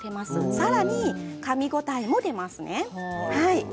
さらに、かみ応えも出ますね。